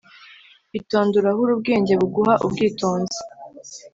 Itonde urahure ubwenge buguha ubwitonzi